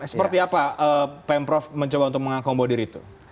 seperti apa pm prof mencoba untuk mengakombo diri itu